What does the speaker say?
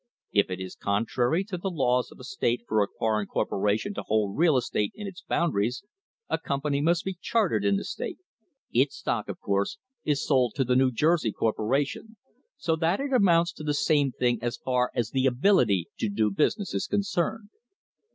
If it is contrary to the laws of a state for a foreign corporation to hold real estate in its boun daries, a company must be chartered in the state. Its stock, of course, is sold to the New Jersey corporation, so that it amounts to the same thing as far as the ability to do business is concerned.